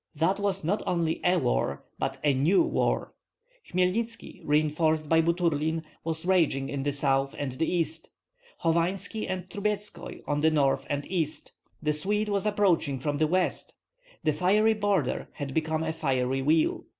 That was not only a war, but a new war. Hmelnitski, reinforced by Buturlin, was raging in the south and the east; Hovanski and Trubetskoi on the north and east; the Swede was approaching from the west! The fiery border had become a fiery wheel.